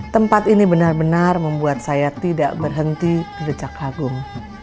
tempat ini benar benar membuat saya tidak berhenti direcak agung